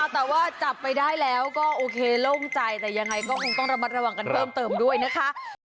แต่ว่าจับไปได้แล้วก็โอเคโล่งใจแต่ยังไงก็คงต้องระมัดระวังกันเพิ่มเติมด้วยนะคะ